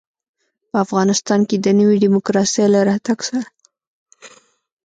په افغانستان کې د نوي ډيموکراسۍ له راتګ سره.